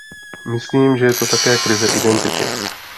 Myslím, že je to také krize identity.